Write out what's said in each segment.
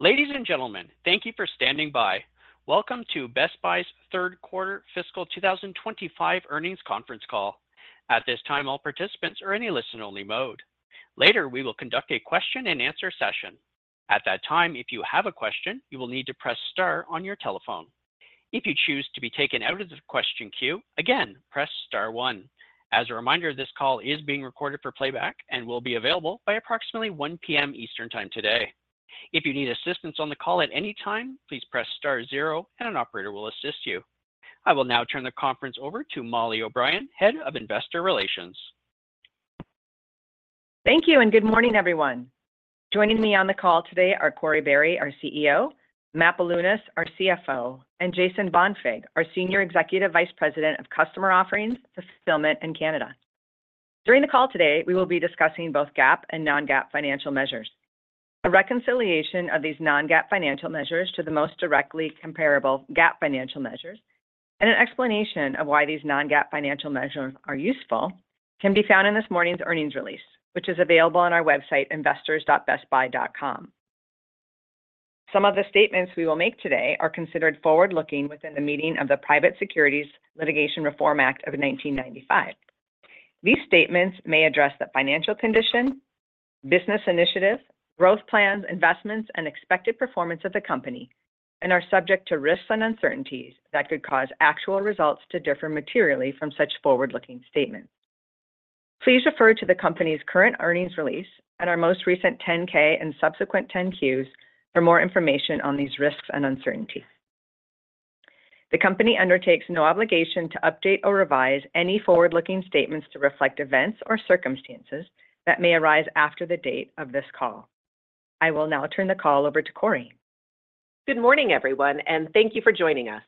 Ladies and gentlemen, thank you for standing by. Welcome to Best Buy's third quarter fiscal 2025 earnings conference call. At this time, all participants are in a listen-only mode. Later, we will conduct a question-and-answer session. At that time, if you have a question, you will need to press star on your telephone. If you choose to be taken out of the question queue, again, press star one. As a reminder, this call is being recorded for playback and will be available by approximately 1:00 P.M. Eastern Time today. If you need assistance on the call at any time, please press star zero, and an operator will assist you. I will now turn the conference over to Mollie O'Brien, head of investor relations. Thank you, and good morning, everyone. Joining me on the call today are Corie Barry, our CEO, Matt Bilunas, our CFO, and Jason Bonfig, our Senior Executive Vice President of customer offerings, fulfillment, and Canada. During the call today, we will be discussing both GAAP and non-GAAP financial measures. A reconciliation of these non-GAAP financial measures to the most directly comparable GAAP financial measures and an explanation of why these non-GAAP financial measures are useful can be found in this morning's earnings release, which is available on our website, investors.bestbuy.com. Some of the statements we will make today are considered forward-looking within the meaning of the Private Securities Litigation Reform Act of 1995. These statements may address the financial condition, business initiative, growth plans, investments, and expected performance of the company, and are subject to risks and uncertainties that could cause actual results to differ materially from such forward-looking statements. Please refer to the company's current earnings release and our most recent 10-K and subsequent 10-Qs for more information on these risks and uncertainties. The company undertakes no obligation to update or revise any forward-looking statements to reflect events or circumstances that may arise after the date of this call. I will now turn the call over to Corie. Good morning, everyone, and thank you for joining us.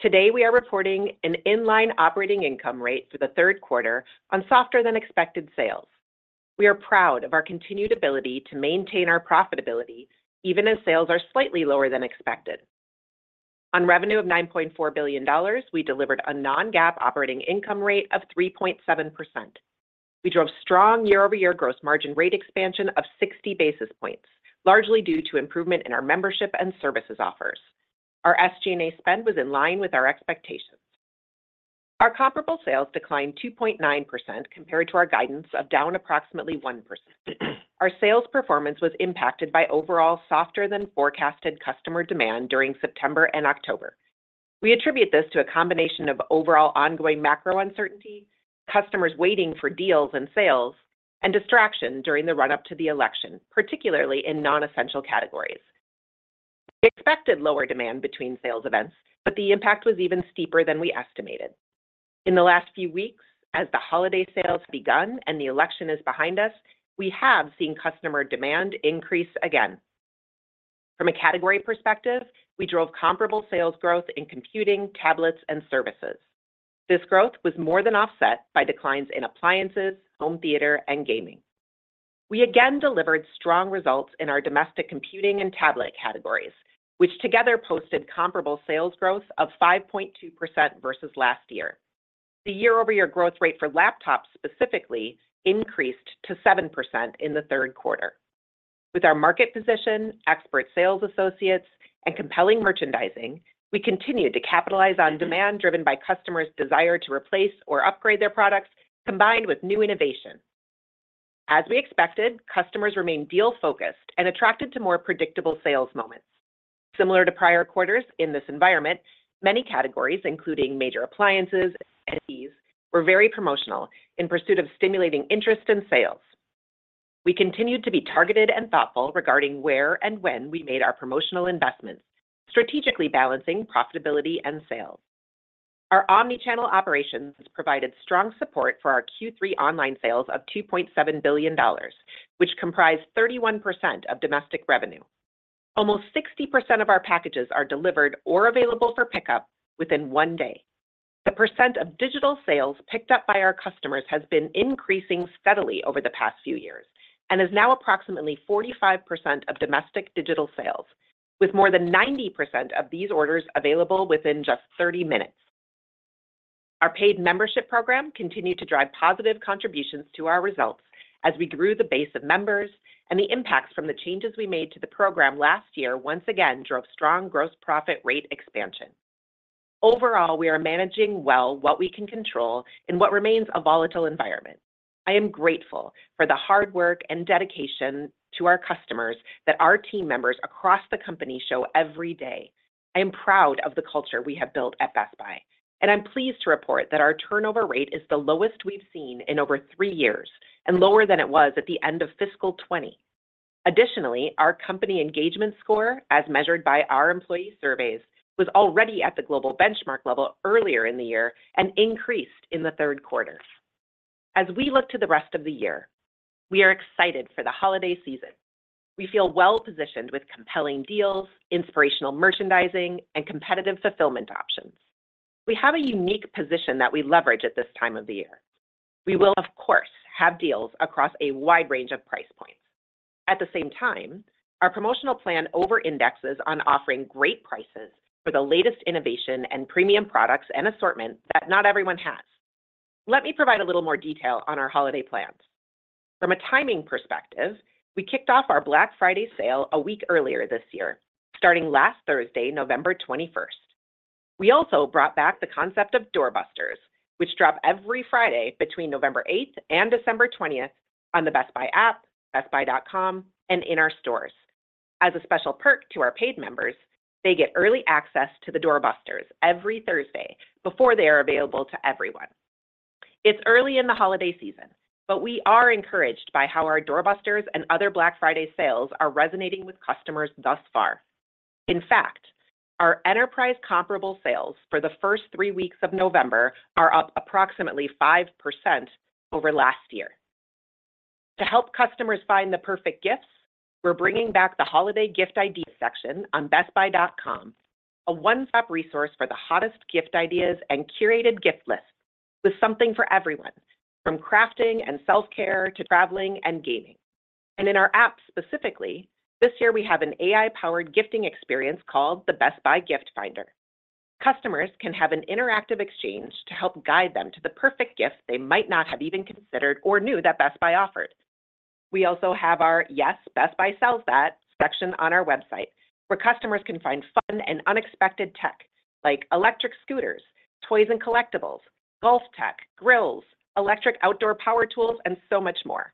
Today, we are reporting an in-line operating income rate for the third quarter on softer-than-expected sales. We are proud of our continued ability to maintain our profitability even as sales are slightly lower than expected. On revenue of $9.4 billion, we delivered a non-GAAP operating income rate of 3.7%. We drove strong year-over-year gross margin rate expansion of 60 basis points, largely due to improvement in our membership and services offers. Our SG&A spend was in line with our expectations. Our comparable sales declined 2.9% compared to our guidance of down approximately 1%. Our sales performance was impacted by overall softer-than-forecasted customer demand during September and October. We attribute this to a combination of overall ongoing macro uncertainty, customers waiting for deals and sales, and distraction during the run-up to the election, particularly in non-essential categories. We expected lower demand between sales events, but the impact was even steeper than we estimated. In the last few weeks, as the holiday sales have begun and the election is behind us, we have seen customer demand increase again. From a category perspective, we drove comparable sales growth in computing, tablets, and services. This growth was more than offset by declines in appliances, home theater, and gaming. We again delivered strong results in our domestic computing and tablet categories, which together posted comparable sales growth of 5.2% versus last year. The year-over-year growth rate for laptops specifically increased to 7% in the third quarter. With our market position, expert sales associates, and compelling merchandising, we continued to capitalize on demand driven by customers' desire to replace or upgrade their products combined with new innovation. As we expected, customers remained deal-focused and attracted to more predictable sales moments. Similar to prior quarters in this environment, many categories, including major appliances and TVs, were very promotional in pursuit of stimulating interest in sales. We continued to be targeted and thoughtful regarding where and when we made our promotional investments, strategically balancing profitability and sales. Our Omnichannel Operations provided strong support for our Q3 online sales of $2.7 billion, which comprised 31% of domestic revenue. Almost 60% of our packages are delivered or available for pickup within one day. The percent of digital sales picked up by our customers has been increasing steadily over the past few years and is now approximately 45% of domestic digital sales, with more than 90% of these orders available within just 30 minutes. Our paid membership program continued to drive positive contributions to our results as we grew the base of members, and the impacts from the changes we made to the program last year once again drove strong gross profit rate expansion. Overall, we are managing well what we can control in what remains a volatile environment. I am grateful for the hard work and dedication to our customers that our team members across the company show every day. I am proud of the culture we have built at Best Buy, and I'm pleased to report that our turnover rate is the lowest we've seen in over three years and lower than it was at the end of fiscal 2020. Additionally, our company engagement score, as measured by our employee surveys, was already at the global benchmark level earlier in the year and increased in the third quarter. As we look to the rest of the year, we are excited for the holiday season. We feel well-positioned with compelling deals, inspirational merchandising, and competitive fulfillment options. We have a unique position that we leverage at this time of the year. We will, of course, have deals across a wide range of price points. At the same time, our promotional plan over-indexes on offering great prices for the latest innovation and premium products and assortment that not everyone has. Let me provide a little more detail on our holiday plans. From a timing perspective, we kicked off our Black Friday sale a week earlier this year, starting last Thursday, November 21st. We also brought back the concept of doorbusters, which drop every Friday between November 8th and December 20th on the Best Buy app, bestbuy.com, and in our stores. As a special perk to our paid members, they get early access to the doorbusters every Thursday before they are available to everyone. It's early in the holiday season, but we are encouraged by how our doorbusters and other Black Friday sales are resonating with customers thus far. In fact, our enterprise comparable sales for the first three weeks of November are up approximately 5% over last year. To help customers find the perfect gifts, we're bringing back the holiday gift idea section on bestbuy.com, a one-stop resource for the hottest gift ideas and curated gift lists with something for everyone, from crafting and self-care to traveling and gaming, and in our app specifically, this year we have an AI-powered gifting experience called the Best Buy Gift Finder. Customers can have an interactive exchange to help guide them to the perfect gift they might not have even considered or knew that Best Buy offered. We also have our "Yes, Best Buy sells that" section on our website, where customers can find fun and unexpected tech like electric scooters, toys and collectibles, golf tech, grills, electric outdoor power tools, and so much more.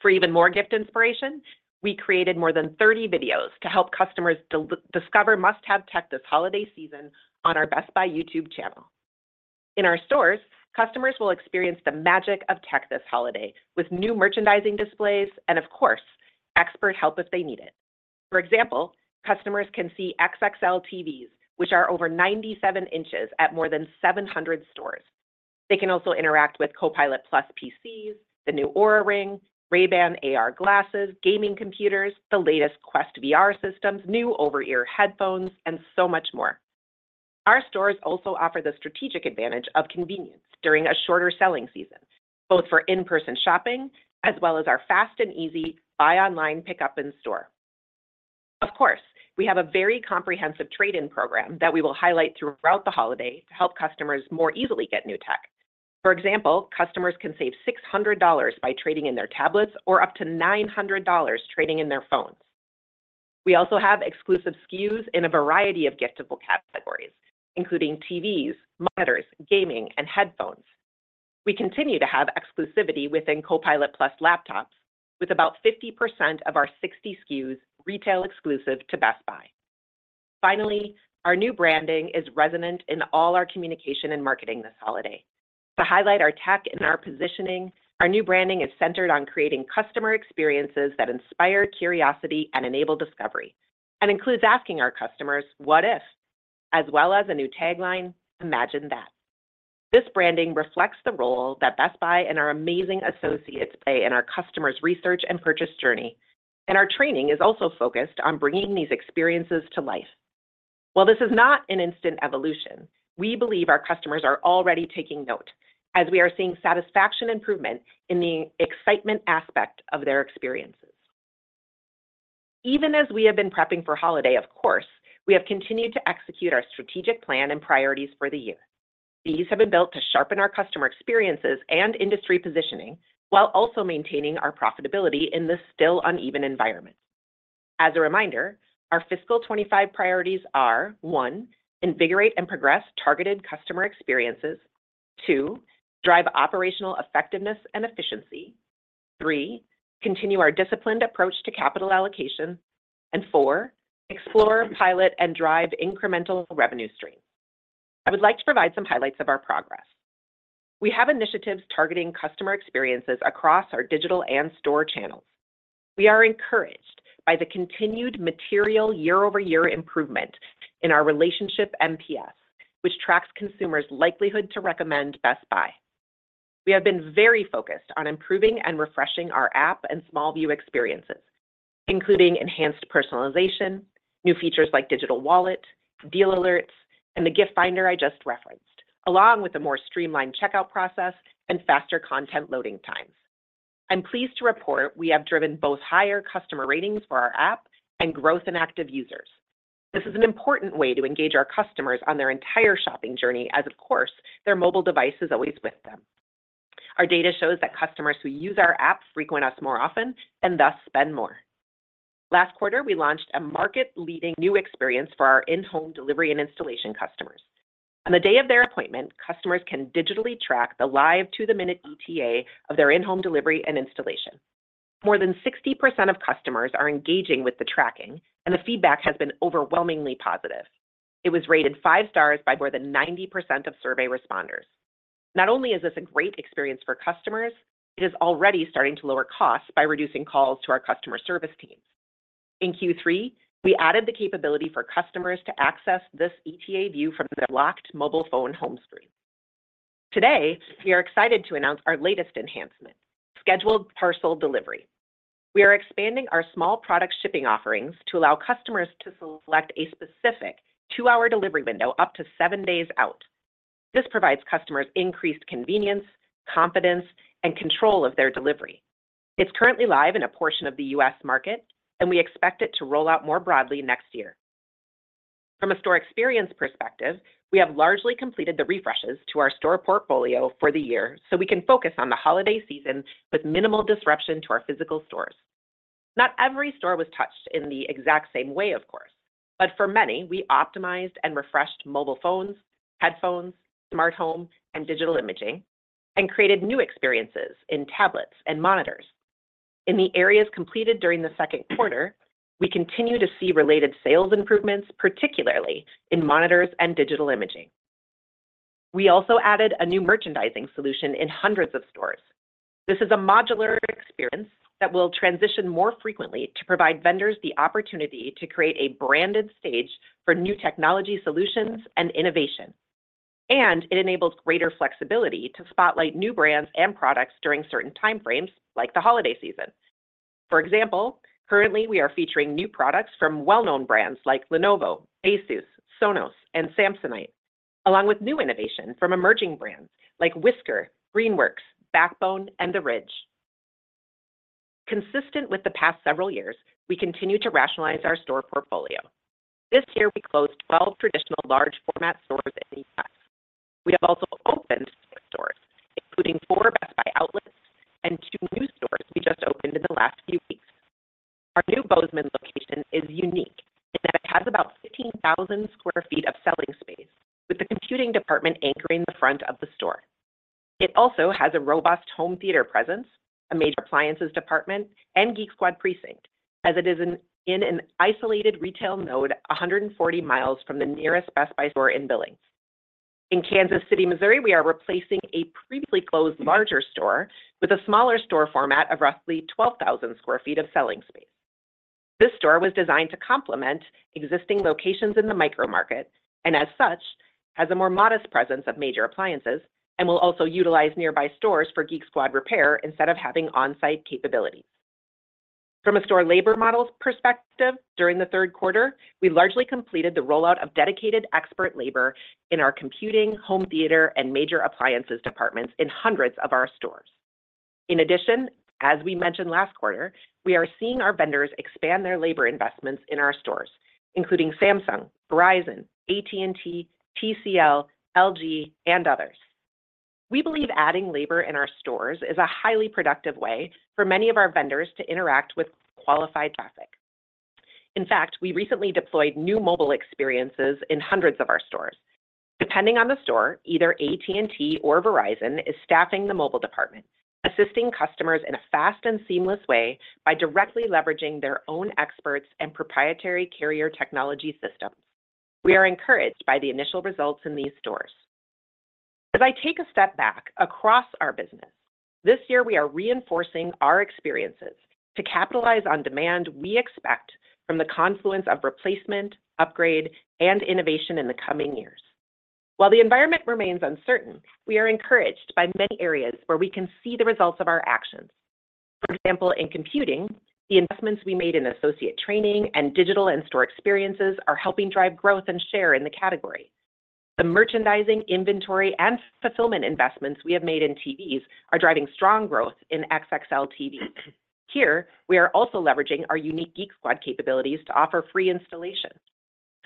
For even more gift inspiration, we created more than 30 videos to help customers discover must-have tech this holiday season on our Best Buy YouTube channel. In our stores, customers will experience the magic of tech this holiday with new merchandising displays and, of course, expert help if they need it. For example, customers can see XXL TVs, which are over 97 inches at more than 700 stores. They can also interact with Copilot+ PCs, the new Oura Ring, Ray-Ban AR glasses, gaming computers, the latest Quest VR systems, new over-ear headphones, and so much more. Our stores also offer the strategic advantage of convenience during a shorter selling season, both for in-person shopping as well as our fast and easy buy online, pick up in store. Of course, we have a very comprehensive trade-in program that we will highlight throughout the holiday to help customers more easily get new tech. For example, customers can save $600 by trading in their tablets or up to $900 trading in their phones. We also have exclusive SKUs in a variety of giftable categories, including TVs, monitors, gaming, and headphones. We continue to have exclusivity within Copilot+ laptops, with about 50% of our 60 SKUs retail exclusive to Best Buy. Finally, our new branding is resonant in all our communication and marketing this holiday. To highlight our tech and our positioning, our new branding is centered on creating customer experiences that inspire curiosity and enable discovery and includes asking our customers, "What if?" as well as a new tagline, "Imagine that." This branding reflects the role that Best Buy and our amazing associates play in our customers' research and purchase journey, and our training is also focused on bringing these experiences to life. While this is not an instant evolution, we believe our customers are already taking note as we are seeing satisfaction improvement in the excitement aspect of their experiences. Even as we have been prepping for holiday, of course, we have continued to execute our strategic plan and priorities for the year. These have been built to sharpen our customer experiences and industry positioning while also maintaining our profitability in this still uneven environment. As a reminder, our fiscal 2025 priorities are: one, invigorate and progress targeted customer experiences; two, drive operational effectiveness and efficiency; three, continue our disciplined approach to capital allocation; and four, explore, pilot, and drive incremental revenue streams. I would like to provide some highlights of our progress. We have initiatives targeting customer experiences across our digital and store channels. We are encouraged by the continued material year-over-year improvement in our relationship NPS, which tracks consumers' likelihood to recommend Best Buy. We have been very focused on improving and refreshing our app and small view experiences, including enhanced personalization, new features like digital wallet, deal alerts, and the gift finder I just referenced, along with a more streamlined checkout process and faster content loading times. I'm pleased to report we have driven both higher customer ratings for our app and growth in active users. This is an important way to engage our customers on their entire shopping journey as, of course, their mobile device is always with them. Our data shows that customers who use our app frequent us more often and thus spend more. Last quarter, we launched a market-leading new experience for our in-home delivery and installation customers. On the day of their appointment, customers can digitally track the live to-the-minute ETA of their in-home delivery and installation. More than 60% of customers are engaging with the tracking, and the feedback has been overwhelmingly positive. It was rated five stars by more than 90% of survey responders. Not only is this a great experience for customers, it is already starting to lower costs by reducing calls to our customer service teams. In Q3, we added the capability for customers to access this ETA view from their locked mobile phone home screen. Today, we are excited to announce our latest enhancement, scheduled parcel delivery. We are expanding our small product shipping offerings to allow customers to select a specific two-hour delivery window up to seven days out. This provides customers increased convenience, confidence, and control of their delivery. It's currently live in a portion of the U.S. market, and we expect it to roll out more broadly next year. From a store experience perspective, we have largely completed the refreshes to our store portfolio for the year so we can focus on the holiday season with minimal disruption to our physical stores. Not every store was touched in the exact same way, of course, but for many, we optimized and refreshed mobile phones, headphones, smart home, and digital imaging, and created new experiences in tablets and monitors. In the areas completed during the second quarter, we continue to see related sales improvements, particularly in monitors and digital imaging. We also added a new merchandising solution in hundreds of stores. This is a modular experience that will transition more frequently to provide vendors the opportunity to create a branded stage for new technology solutions and innovation. And it enables greater flexibility to spotlight new brands and products during certain time frames like the holiday season. For example, currently, we are featuring new products from well-known brands like Lenovo, Asus, Sonos, and Samsonite, along with new innovation from emerging brands like Whisker, Greenworks, Backbone, and The Ridge. Consistent with the past several years, we continue to rationalize our store portfolio. This year, we closed 12 traditional large-format stores in the U.S. We have also opened six stores, including four Best Buy outlets and two new stores we just opened in the last few weeks. Our new Bozeman location is unique in that it has about 15,000 sq ft of selling space, with the computing department anchoring the front of the store. It also has a robust home theater presence, a major appliances department, and Geek Squad precinct, as it is in an isolated retail node 140 mi from the nearest Best Buy store in Billings. In Kansas City, Missouri, we are replacing a previously closed larger store with a smaller store format of roughly 12,000 sq ft of selling space. This store was designed to complement existing locations in the micro market and, as such, has a more modest presence of major appliances and will also utilize nearby stores for Geek Squad repair instead of having on-site capabilities. From a store labor model perspective, during the third quarter, we largely completed the rollout of dedicated expert labor in our computing, home theater, and major appliances departments in hundreds of our stores. In addition, as we mentioned last quarter, we are seeing our vendors expand their labor investments in our stores, including Samsung, Verizon, AT&T, TCL, LG, and others. We believe adding labor in our stores is a highly productive way for many of our vendors to interact with qualified traffic. In fact, we recently deployed new mobile experiences in hundreds of our stores. Depending on the store, either AT&T or Verizon is staffing the mobile department, assisting customers in a fast and seamless way by directly leveraging their own experts and proprietary carrier technology systems. We are encouraged by the initial results in these stores. As I take a step back across our business, this year, we are reinforcing our experiences to capitalize on demand we expect from the confluence of replacement, upgrade, and innovation in the coming years. While the environment remains uncertain, we are encouraged by many areas where we can see the results of our actions. For example, in computing, the investments we made in associate training and digital and store experiences are helping drive growth and share in the category. The merchandising, inventory, and fulfillment investments we have made in TVs are driving strong growth in XXL TVs. Here, we are also leveraging our unique Geek Squad capabilities to offer free installation.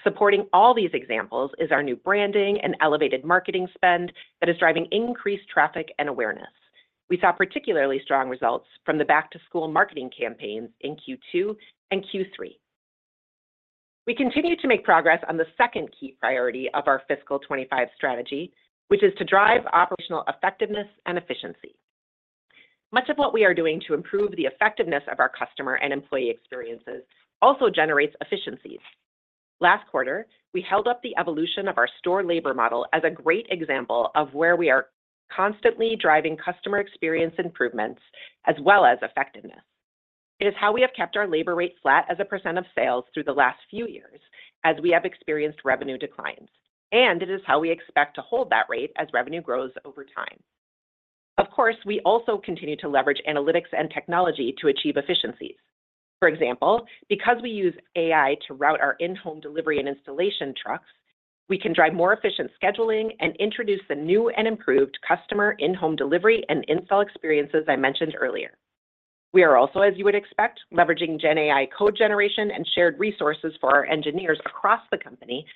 Supporting all these examples is our new branding and elevated marketing spend that is driving increased traffic and awareness. We saw particularly strong results from the back-to-school marketing campaigns in Q2 and Q3. We continue to make progress on the second key priority of our fiscal 2025 strategy, which is to drive operational effectiveness and efficiency. Much of what we are doing to improve the effectiveness of our customer and employee experiences also generates efficiencies. Last quarter, we held up the evolution of our store labor model as a great example of where we are constantly driving customer experience improvements as well as effectiveness. It is how we have kept our labor rate flat as a percent of sales through the last few years as we have experienced revenue declines, and it is how we expect to hold that rate as revenue grows over time. Of course, we also continue to leverage analytics and technology to achieve efficiencies. For example, because we use AI to route our in-home delivery and installation trucks, we can drive more efficient scheduling and introduce the new and improved customer in-home delivery and install experiences I mentioned earlier. We are also, as you would expect, leveraging GenAI code generation and shared resources for our engineers across the company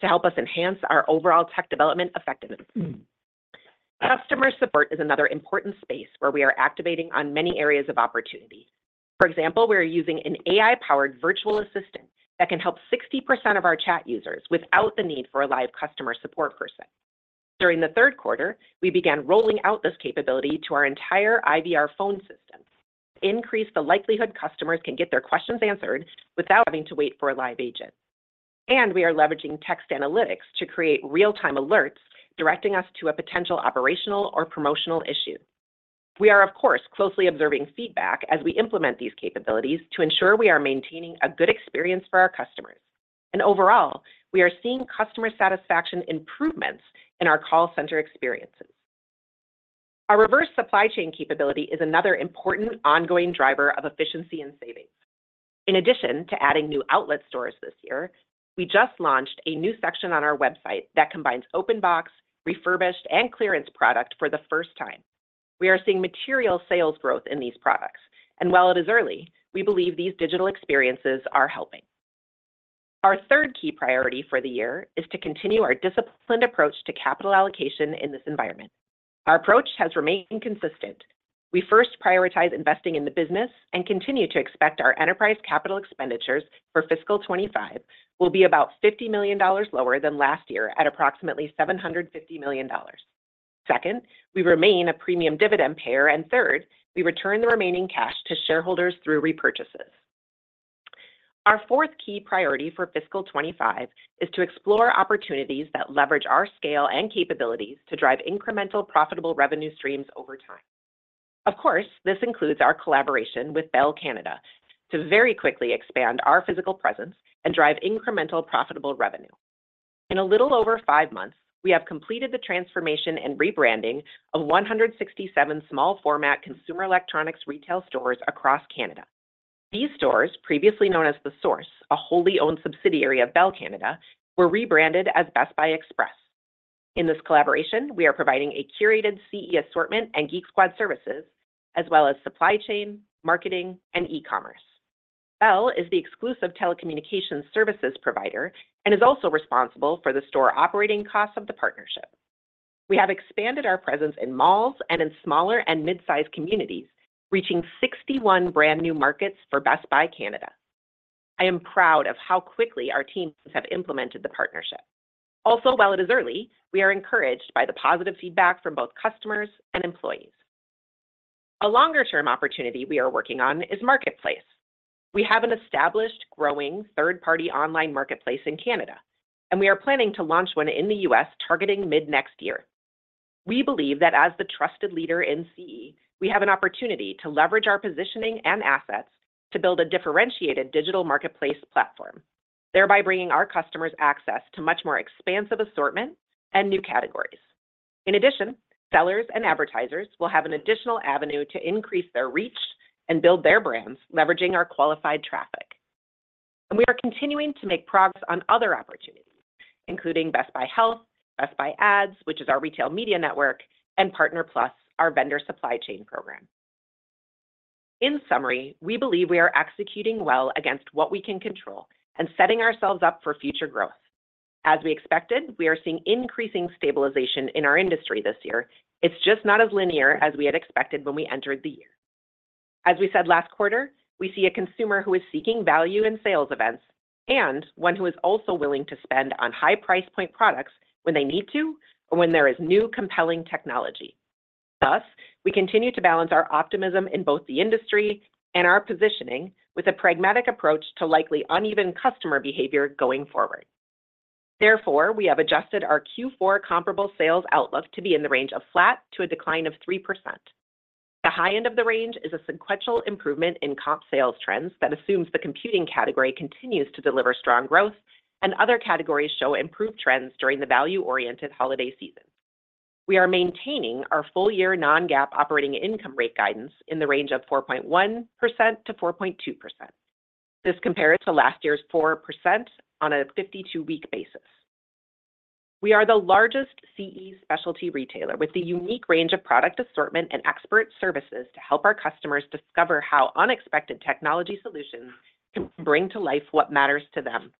to help us enhance our overall tech development effectiveness. Customer support is another important space where we are activating on many areas of opportunity. For example, we are using an AI-powered virtual assistant that can help 60% of our chat users without the need for a live customer support person. During the third quarter, we began rolling out this capability to our entire IVR phone system to increase the likelihood customers can get their questions answered without having to wait for a live agent. And we are leveraging text analytics to create real-time alerts directing us to a potential operational or promotional issue. We are, of course, closely observing feedback as we implement these capabilities to ensure we are maintaining a good experience for our customers. And overall, we are seeing customer satisfaction improvements in our call center experiences. Our reverse supply chain capability is another important ongoing driver of efficiency and savings. In addition to adding new outlet stores this year, we just launched a new section on our website that combines open box, refurbished, and clearance product for the first time. We are seeing material sales growth in these products, and while it is early, we believe these digital experiences are helping. Our third key priority for the year is to continue our disciplined approach to capital allocation in this environment. Our approach has remained consistent. We first prioritize investing in the business and continue to expect our enterprise capital expenditures for fiscal 2025 will be about $50 million lower than last year at approximately $750 million. Second, we remain a premium dividend payer, and third, we return the remaining cash to shareholders through repurchases. Our fourth key priority for fiscal 2025 is to explore opportunities that leverage our scale and capabilities to drive incremental profitable revenue streams over time. Of course, this includes our collaboration with Bell Canada to very quickly expand our physical presence and drive incremental profitable revenue. In a little over five months, we have completed the transformation and rebranding of 167 small-format consumer electronics retail stores across Canada. These stores, previously known as The Source, a wholly owned subsidiary of Bell Canada, were rebranded as Best Buy Express. In this collaboration, we are providing a curated CE assortment and Geek Squad services, as well as supply chain, marketing, and e-commerce. Bell is the exclusive telecommunications services provider and is also responsible for the store operating costs of the partnership. We have expanded our presence in malls and in smaller and mid-sized communities, reaching 61 brand new markets for Best Buy Canada. I am proud of how quickly our teams have implemented the partnership. Also, while it is early, we are encouraged by the positive feedback from both customers and employees. A longer-term opportunity we are working on is marketplace. We have an established, growing third-party online marketplace in Canada, and we are planning to launch one in the U.S. targeting mid-next year. We believe that as the trusted leader in CE, we have an opportunity to leverage our positioning and assets to build a differentiated digital marketplace platform, thereby bringing our customers access to much more expansive assortment and new categories. In addition, sellers and advertisers will have an additional avenue to increase their reach and build their brands, leveraging our qualified traffic. And we are continuing to make progress on other opportunities, including Best Buy Health, Best Buy Ads, which is our retail media network, and Partner Plus, our vendor supply chain program. In summary, we believe we are executing well against what we can control and setting ourselves up for future growth. As we expected, we are seeing increasing stabilization in our industry this year. It's just not as linear as we had expected when we entered the year. As we said last quarter, we see a consumer who is seeking value in sales events and one who is also willing to spend on high price point products when they need to or when there is new compelling technology. Thus, we continue to balance our optimism in both the industry and our positioning with a pragmatic approach to likely uneven customer behavior going forward. Therefore, we have adjusted our Q4 comparable sales outlook to be in the range of flat to a decline of 3%. The high end of the range is a sequential improvement in comp sales trends that assumes the computing category continues to deliver strong growth, and other categories show improved trends during the value-oriented holiday season. We are maintaining our full-year non-GAAP operating income rate guidance in the range of 4.1%-4.2%. This compares to last year's 4% on a 52-week basis. We are the largest CE specialty retailer with the unique range of product assortment and expert services to help our customers discover how unexpected technology solutions can bring to life what matters to them.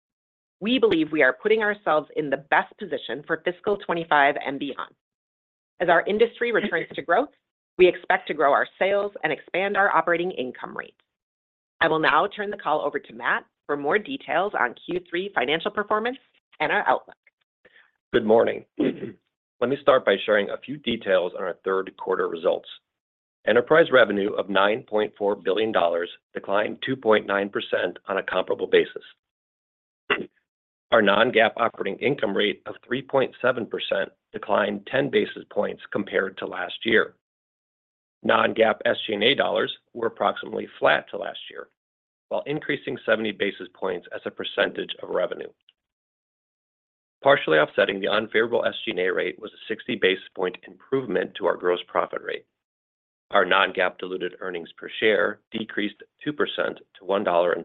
We believe we are putting ourselves in the best position for fiscal 2025 and beyond. As our industry returns to growth, we expect to grow our sales and expand our operating income rates. I will now turn the call over to Matt for more details on Q3 financial performance and our outlook. Good morning. Let me start by sharing a few details on our third quarter results. Enterprise revenue of $9.4 billion declined 2.9% on a comparable basis. Our non-GAAP operating income rate of 3.7% declined 10 basis points compared to last year. Non-GAAP SG&A dollars were approximately flat to last year, while increasing 70 basis points as a percentage of revenue. Partially offsetting the unfavorable SG&A rate was a 60 basis point improvement to our gross profit rate. Our non-GAAP diluted earnings per share decreased 2% to $1.26.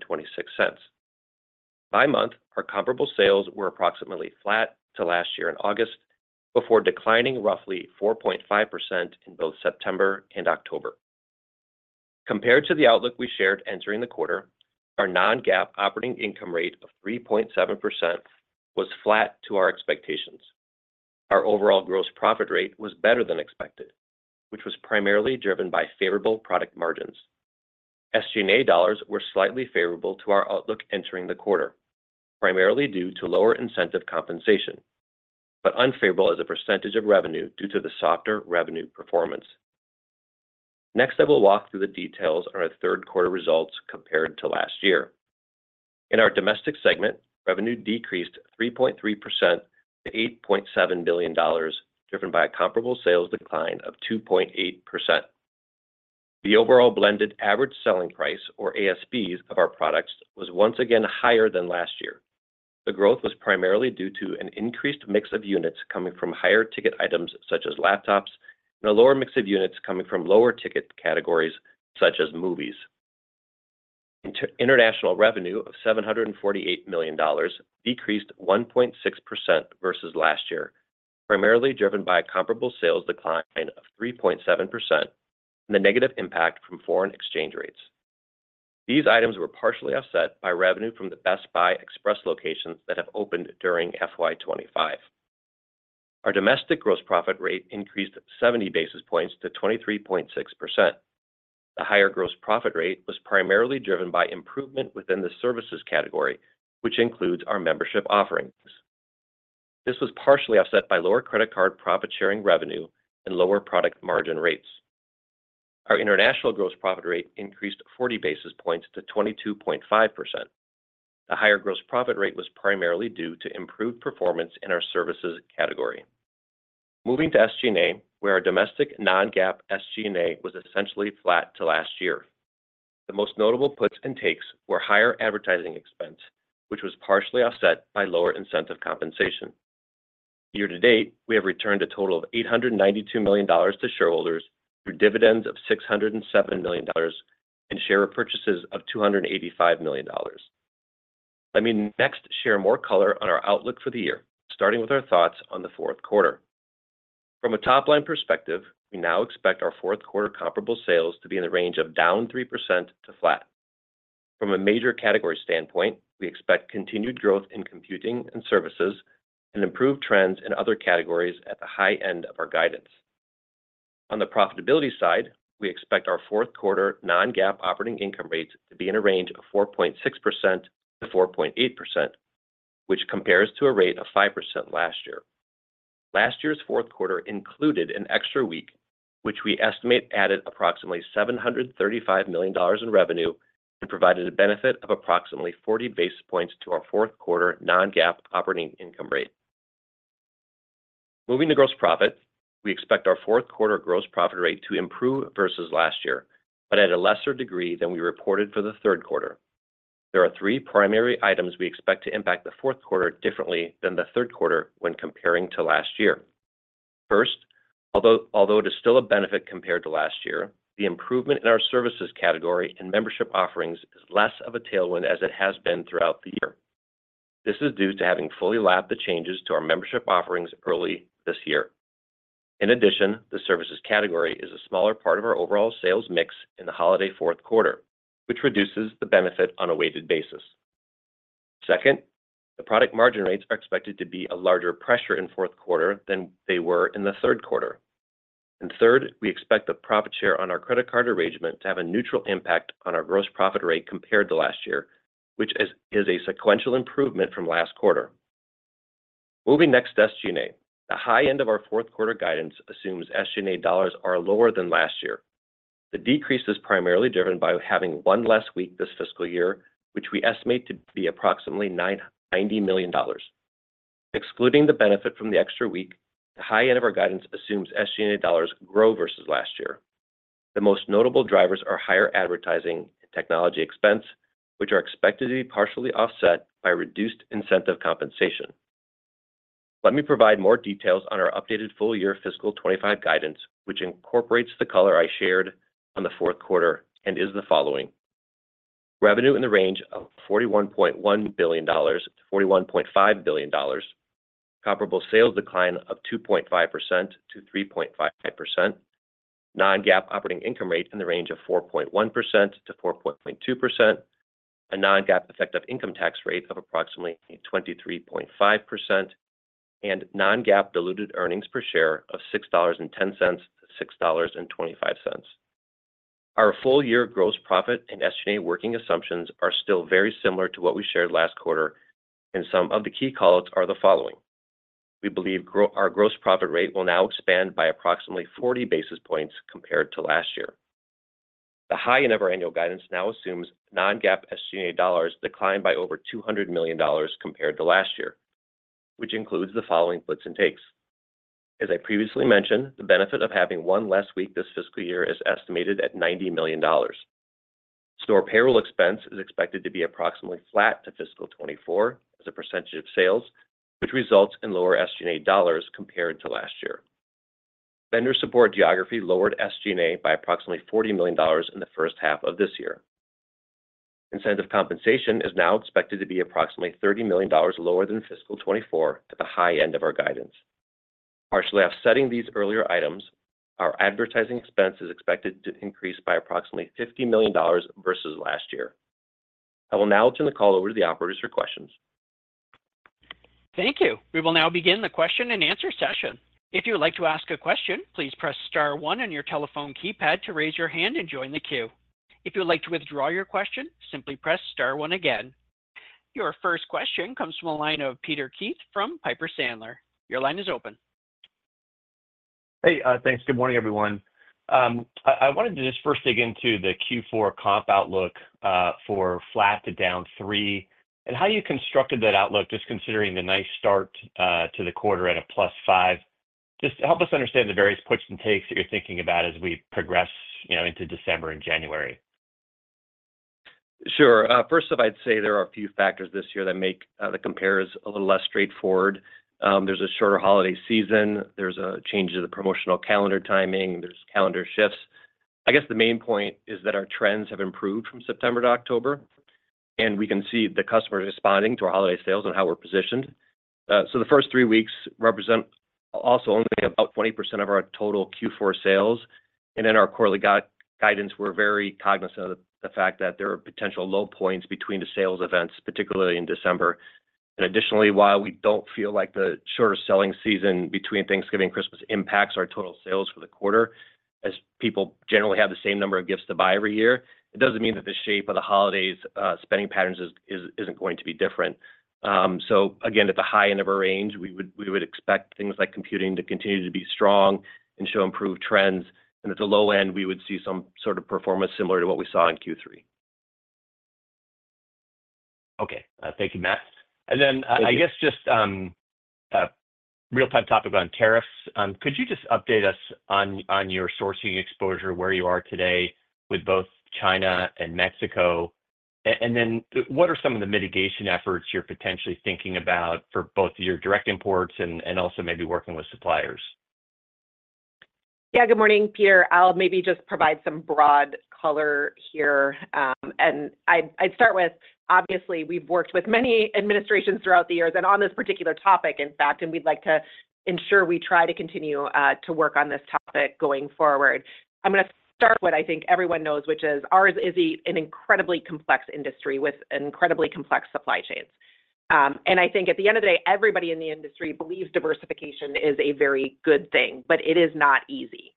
By month, our comparable sales were approximately flat to last year in August, before declining roughly 4.5% in both September and October. Compared to the outlook we shared entering the quarter, our non-GAAP operating income rate of 3.7% was flat to our expectations. Our overall gross profit rate was better than expected, which was primarily driven by favorable product margins. SG&A dollars were slightly favorable to our outlook entering the quarter, primarily due to lower incentive compensation, but unfavorable as a percentage of revenue due to the softer revenue performance. Next, I will walk through the details on our third quarter results compared to last year. In our domestic segment, revenue decreased 3.3% to $8.7 billion, driven by a comparable sales decline of 2.8%. The overall blended average selling price, or ASPs, of our products was once again higher than last year. The growth was primarily due to an increased mix of units coming from higher ticket items such as laptops and a lower mix of units coming from lower ticket categories such as movies. International revenue of $748 million decreased 1.6% versus last year, primarily driven by a comparable sales decline of 3.7% and the negative impact from foreign exchange rates. These items were partially offset by revenue from the Best Buy Express locations that have opened during FY 2025. Our domestic gross profit rate increased 70 basis points to 23.6%. The higher gross profit rate was primarily driven by improvement within the services category, which includes our membership offerings. This was partially offset by lower credit card profit-sharing revenue and lower product margin rates. Our international gross profit rate increased 40 basis points to 22.5%. The higher gross profit rate was primarily due to improved performance in our services category. Moving to SG&A, where our domestic non-GAAP SG&A was essentially flat to last year. The most notable puts and takes were higher advertising expense, which was partially offset by lower incentive compensation. Year to date, we have returned a total of $892 million to shareholders through dividends of $607 million and share purchases of $285 million. Let me next share more color on our outlook for the year, starting with our thoughts on the fourth quarter. From a top-line perspective, we now expect our fourth quarter comparable sales to be in the range of down 3% to flat. From a major category standpoint, we expect continued growth in computing and services and improved trends in other categories at the high end of our guidance. On the profitability side, we expect our fourth quarter non-GAAP operating income rates to be in a range of 4.6%-4.8%, which compares to a rate of 5% last year. Last year's fourth quarter included an extra week, which we estimate added approximately $735 million in revenue and provided a benefit of approximately 40 basis points to our fourth quarter non-GAAP operating income rate. Moving to gross profit, we expect our fourth quarter gross profit rate to improve versus last year, but at a lesser degree than we reported for the third quarter. There are three primary items we expect to impact the fourth quarter differently than the third quarter when comparing to last year. First, although it is still a benefit compared to last year, the improvement in our services category and membership offerings is less of a tailwind as it has been throughout the year. This is due to having fully lapped the changes to our membership offerings early this year. In addition, the services category is a smaller part of our overall sales mix in the holiday fourth quarter, which reduces the benefit on a weighted basis. Second, the product margin rates are expected to be a larger pressure in fourth quarter than they were in the third quarter. Third, we expect the profit share on our credit card arrangement to have a neutral impact on our gross profit rate compared to last year, which is a sequential improvement from last quarter. Moving next to SG&A, the high end of our fourth quarter guidance assumes SG&A dollars are lower than last year. The decrease is primarily driven by having one less week this fiscal year, which we estimate to be approximately $90 million. Excluding the benefit from the extra week, the high end of our guidance assumes SG&A dollars grow versus last year. The most notable drivers are higher advertising and technology expense, which are expected to be partially offset by reduced incentive compensation. Let me provide more details on our updated full-year fiscal 2025 guidance, which incorporates the color I shared on the fourth quarter and is the following: Revenue in the range of $41.1 billion to $41.5 billion, comparable sales decline of 2.5% to 3.5%, non-GAAP operating income rate in the range of 4.1%-4.2%, a non-GAAP effective income tax rate of approximately 23.5%, and non-GAAP diluted earnings per share of $6.10-$6.25. Our full-year gross profit and SG&A working assumptions are still very similar to what we shared last quarter, and some of the key callouts are the following. We believe our gross profit rate will now expand by approximately 40 basis points compared to last year. The high end of our annual guidance now assumes non-GAAP SG&A dollars decline by over $200 million compared to last year, which includes the following puts and takes. As I previously mentioned, the benefit of having one less week this fiscal year is estimated at $90 million. Store payroll expense is expected to be approximately flat to fiscal 2024 as a percentage of sales, which results in lower SG&A dollars compared to last year. Vendor support geography lowered SG&A by approximately $40 million in the first half of this year. Incentive compensation is now expected to be approximately $30 million lower than fiscal 2024 at the high end of our guidance. Partially offsetting these earlier items, our advertising expense is expected to increase by approximately $50 million versus last year. I will now turn the call over to the operators for questions. Thank you. We will now begin the question and answer session. If you would like to ask a question, please press star one on your telephone keypad to raise your hand and join the queue. If you would like to withdraw your question, simply press star one again. Your first question comes from a line of Peter Keith from Piper Sandler. Your line is open. Hey, thanks. Good morning, everyone. I wanted to just first dig into the Q4 comp outlook for flat to down three, and how you constructed that outlook just considering the nice start to the quarter at a +5. Just help us understand the various puts and takes that you're thinking about as we progress into December and January. Sure. First off, I'd say there are a few factors this year that make the comparison a little less straightforward. There's a shorter holiday season. There's a change to the promotional calendar timing. There's calendar shifts. I guess the main point is that our trends have improved from September to October, and we can see the customers responding to our holiday sales and how we're positioned. So the first three weeks represent also only about 20% of our total Q4 sales. And in our quarterly guidance, we're very cognizant of the fact that there are potential low points between the sales events, particularly in December. And additionally, while we don't feel like the shorter selling season between Thanksgiving and Christmas impacts our total sales for the quarter, as people generally have the same number of gifts to buy every year, it doesn't mean that the shape of the holidays' spending patterns isn't going to be different. So again, at the high end of our range, we would expect things like computing to continue to be strong and show improved trends. At the low end, we would see some sort of performance similar to what we saw in Q3. Okay. Thank you, Matt. Then I guess just a real-time topic on tariffs. Could you just update us on your sourcing exposure where you are today with both China and Mexico? And then what are some of the mitigation efforts you're potentially thinking about for both your direct imports and also maybe working with suppliers? Yeah. Good morning, Peter. I'll maybe just provide some broad color here. And I'd start with, obviously, we've worked with many administrations throughout the years and on this particular topic, in fact, and we'd like to ensure we try to continue to work on this topic going forward. I'm going to start with what I think everyone knows, which is our industry is an incredibly complex industry with incredibly complex supply chains. I think at the end of the day, everybody in the industry believes diversification is a very good thing, but it is not easy.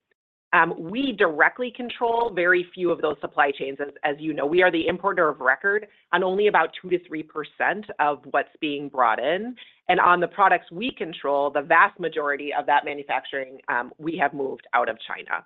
We directly control very few of those supply chains, as you know. We are the importer of record on only about 2%-3% of what's being brought in. And on the products we control, the vast majority of that manufacturing we have moved out of China.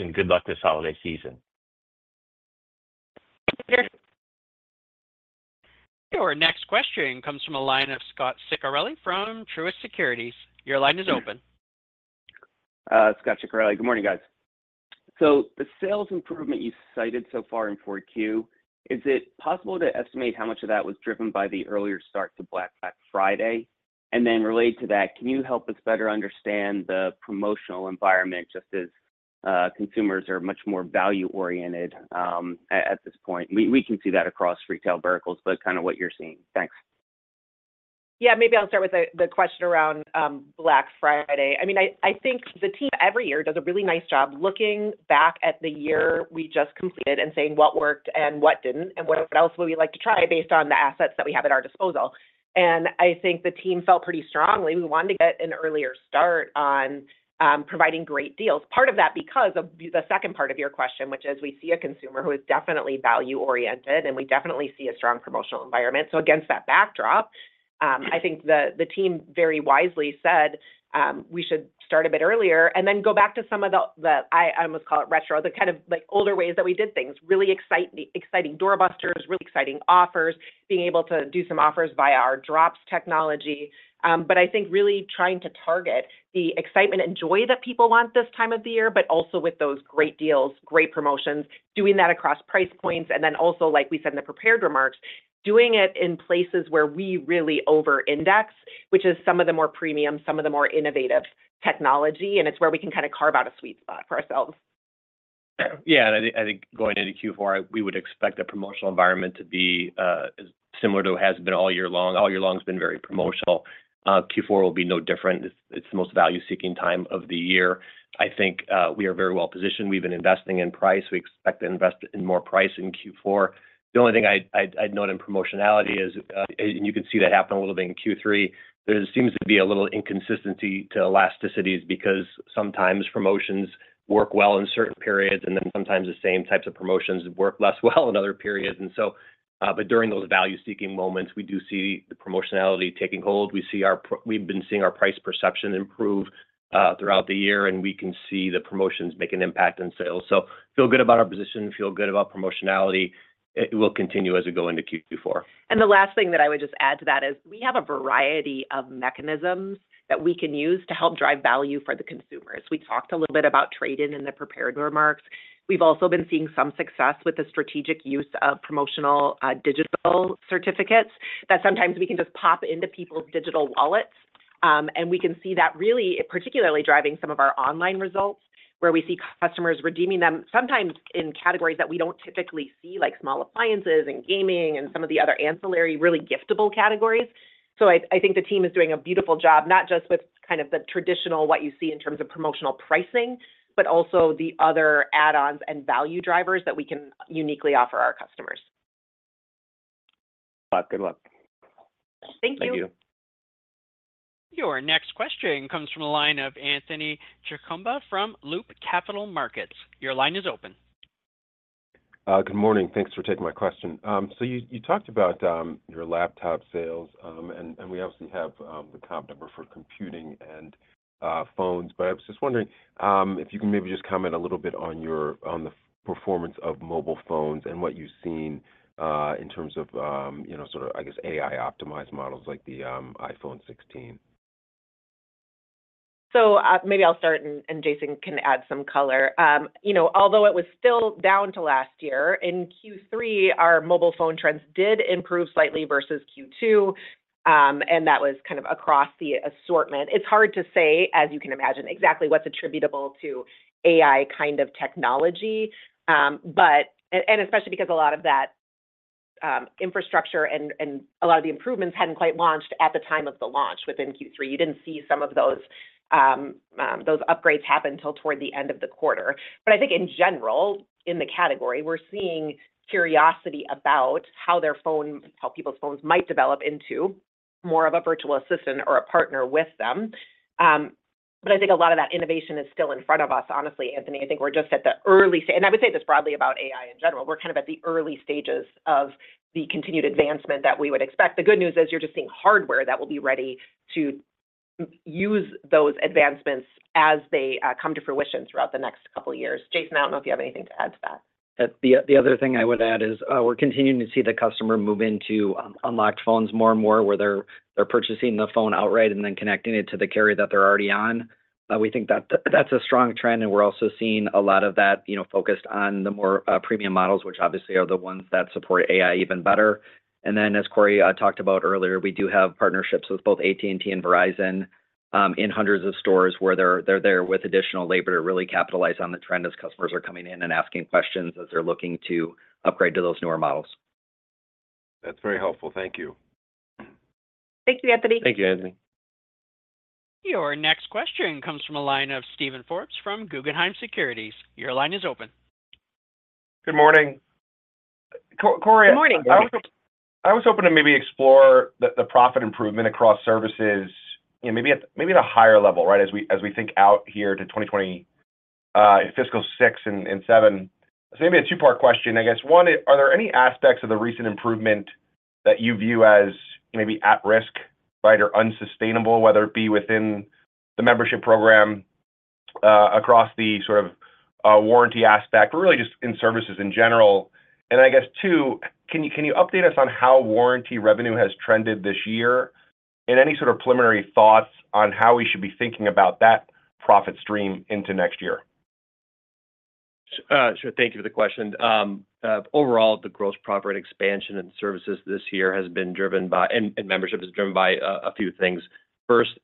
and good luck this holiday season. Thank you, Peter. Our next question comes from a line of Scot Ciccarelli from Truist Securities. Your line is open. Scot Ciccarelli, good morning, guys. So the sales improvement you cited so far in 4Q, is it possible to estimate how much of that was driven by the earlier start to Black Friday? And then related to that, can you help us better understand the promotional environment just as consumers are much more value-oriented at this point? We can see that across retail verticals, but kind of what you're seeing. Thanks. Yeah, maybe I'll start with the question around Black Friday. I mean, I think the team every year does a really nice job looking back at the year we just completed and saying what worked and what didn't and what else would we like to try based on the assets that we have at our disposal, and I think the team felt pretty strongly we wanted to get an earlier start on providing great deals. Part of that because of the second part of your question, which is we see a consumer who is definitely value-oriented and we definitely see a strong promotional environment, so against that backdrop, I think the team very wisely said we should start a bit earlier and then go back to some of the, I almost call it retro, the kind of older ways that we did things, really exciting doorbusters, really exciting offers, being able to do some offers via our Drops technology. But I think really trying to target the excitement and joy that people want this time of the year, but also with those great deals, great promotions, doing that across price points. And then also, like we said in the prepared remarks, doing it in places where we really over-index, which is some of the more premium, some of the more innovative technology, and it's where we can kind of carve out a sweet spot for ourselves. Yeah, and I think going into Q4, we would expect a promotional environment to be similar to what has been all year long. All year long has been very promotional. Q4 will be no different. It's the most value-seeking time of the year. I think we are very well positioned. We've been investing in price. We expect to invest in more price in Q4. The only thing I'd note in promotionality is, and you can see that happen a little bit in Q3, there seems to be a little inconsistency to elasticities because sometimes promotions work well in certain periods and then sometimes the same types of promotions work less well in other periods. And so, but during those value-seeking moments, we do see the promotionality taking hold. We've been seeing our price perception improve throughout the year, and we can see the promotions make an impact on sales. So feel good about our position, feel good about promotionality. It will continue as we go into Q4. And the last thing that I would just add to that is we have a variety of mechanisms that we can use to help drive value for the consumers. We talked a little bit about trade-in in the prepared remarks. We've also been seeing some success with the strategic use of promotional digital certificates that sometimes we can just pop into people's digital wallets. And we can see that really particularly driving some of our online results where we see customers redeeming them sometimes in categories that we don't typically see, like small appliances and gaming and some of the other ancillary really giftable categories. So I think the team is doing a beautiful job, not just with kind of the traditional what you see in terms of promotional pricing, but also the other add-ons and value drivers that we can uniquely offer our customers. Good luck. Good luck. Thank you. Thank you. Your next question comes from a line of Anthony Chukumba from Loop Capital Markets. Your line is open. Good morning. Thanks for taking my question. So you talked about your laptop sales, and we obviously have the comp number for computing and phones, but I was just wondering if you can maybe just comment a little bit on the performance of mobile phones and what you've seen in terms of sort of, I guess, AI-optimized models like the iPhone 16. So maybe I'll start, and Jason can add some color. Although it was still down year to last year, in Q3, our mobile phone trends did improve slightly versus Q2, and that was kind of across the assortment. It's hard to say, as you can imagine, exactly what's attributable to AI kind of technology, and especially because a lot of that infrastructure and a lot of the improvements hadn't quite launched at the time of the launch within Q3. You didn't see some of those upgrades happen until toward the end of the quarter. But I think in general, in the category, we're seeing curiosity about how people's phones might develop into more of a virtual assistant or a partner with them. But I think a lot of that innovation is still in front of us, honestly, Anthony. I think we're just at the early stage, and I would say this broadly about AI in general. We're kind of at the early stages of the continued advancement that we would expect. The good news is you're just seeing hardware that will be ready to use those advancements as they come to fruition throughout the next couple of years. Jason, I don't know if you have anything to add to that. The other thing I would add is we're continuing to see the customer move into unlocked phones more and more, where they're purchasing the phone outright and then connecting it to the carrier that they're already on. We think that that's a strong trend, and we're also seeing a lot of that focused on the more premium models, which obviously are the ones that support AI even better. And then, as Corie talked about earlier, we do have partnerships with both AT&T and Verizon in hundreds of stores where they're there with additional labor to really capitalize on the trend as customers are coming in and asking questions as they're looking to upgrade to those newer models. That's very helpful. Thank you. Thank you, Anthony. Thank you, Anthony. Your next question comes from a line of Steven Forbes from Guggenheim Securities. Your line is open. Good morning, Corie. Good morning. I was hoping to maybe explore the profit improvement across services, maybe at a higher level, right, as we think out here to 2020, fiscal 2026 and 2027. So maybe a two-part question, I guess. One, are there any aspects of the recent improvement that you view as maybe at risk, right, or unsustainable, whether it be within the membership program, across the sort of warranty aspect, or really just in services in general? And I guess, two, can you update us on how warranty revenue has trended this year? And any sort of preliminary thoughts on how we should be thinking about that profit stream into next year? Sure. Thank you for the question. Overall, the gross profit expansion in services this year has been driven by, and membership is driven by a few things. First,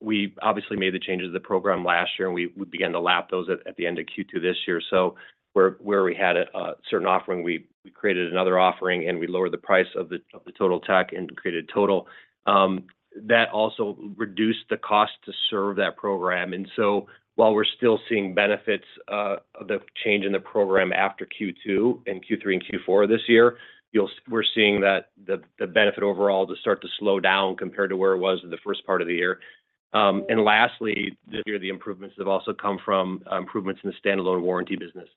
we obviously made the changes to the program last year, and we began to lap those at the end of Q2 this year. So where we had a certain offering, we created another offering, and we lowered the price of the Totaltech and created total. That also reduced the cost to serve that program. And so while we're still seeing benefits of the change in the program after Q2 and Q3 and Q4 this year, we're seeing that the benefit overall to start to slow down compared to where it was in the first part of the year. And lastly, this year, the improvements have also come from improvements in the standalone warranty business.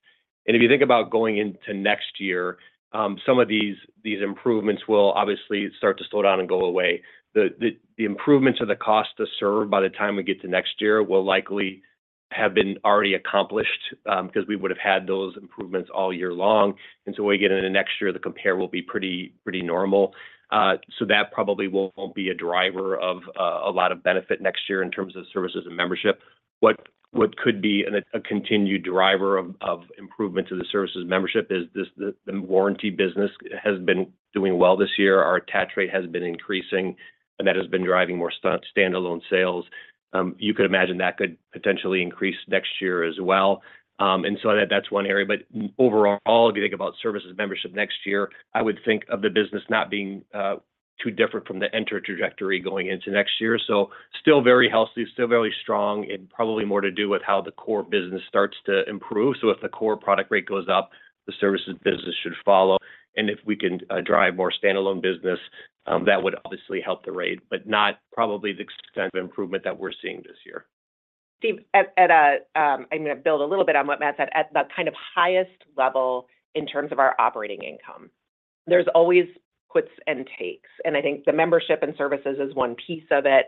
And if you think about going into next year, some of these improvements will obviously start to slow down and go away. The improvements of the cost to serve by the time we get to next year will likely have been already accomplished because we would have had those improvements all year long. And so when we get into next year, the comp will be pretty normal. So that probably won't be a driver of a lot of benefit next year in terms of services and membership. What could be a continued driver of improvement to the services and membership is the warranty business has been doing well this year. Our attach rate has been increasing, and that has been driving more standalone sales. You could imagine that could potentially increase next year as well. And so that's one area. But overall, if you think about services and membership next year, I would think of the business not being too different from the current trajectory going into next year. So still very healthy, still very strong, and probably more to do with how the core business starts to improve. So if the core product rate goes up, the services business should follow. And if we can drive more standalone business, that would obviously help the rate, but not probably the extent of improvement that we're seeing this year. Steve, I'm going to build a little bit on what Matt said. At the kind of highest level in terms of our operating income, there's always puts and takes. And I think the membership and services is one piece of it.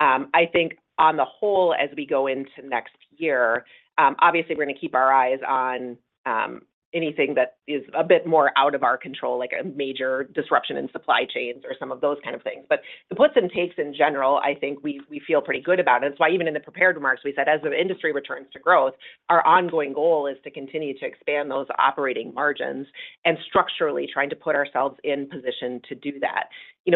I think on the whole, as we go into next year, obviously, we're going to keep our eyes on anything that is a bit more out of our control, like a major disruption in supply chains or some of those kind of things. But the puts and takes in general, I think we feel pretty good about it. That's why even in the prepared remarks, we said, as the industry returns to growth, our ongoing goal is to continue to expand those operating margins and structurally trying to put ourselves in position to do that.